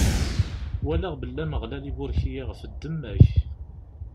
Walaɣ belli Ameɣlal iburek-iyi ɣef ddemma-k.